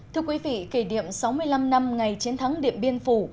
thưa quý vị kể điểm sáu mươi năm năm ngày chiến thắng điệm biên phủ